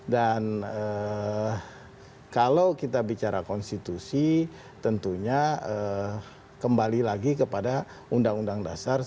dan kalau kita bicara konstitusi tentunya kembali lagi kepada undang undang dasar seribu sembilan ratus empat puluh lima